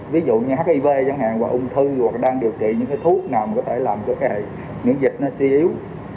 ví dụ như hiv chẳng hạn hoặc ung thư hoặc đang điều trị những cái thuốc nào có thể làm cho cái miễn dịch nó suy yếu